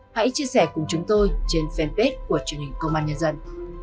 hãy chia sẻ cùng chúng tôi trên fanpage của chương trình công an nhân dân